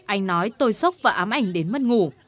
anh nói tôi sốc và ám ảnh đến mất ngủ